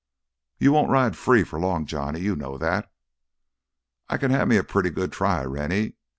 "You won't ride free for long, Johnny. You know that." "I can have me a pretty good try, Rennie.